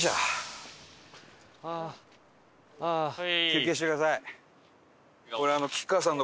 休憩してください。